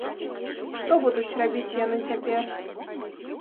Што будуць рабіць яны цяпер?